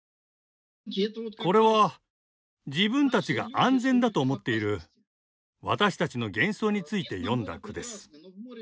これは自分たちが安全だと思っている私たちの幻想について詠んだ句です。